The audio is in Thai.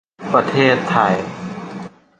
ประเทศไทย